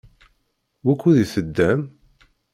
Wukud i teddam?